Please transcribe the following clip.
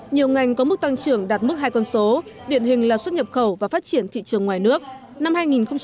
nhiều ngành có mức tăng trưởng đạt mức hai con số điển hình là xuất nhập khẩu và phát triển thị trường ngoài nước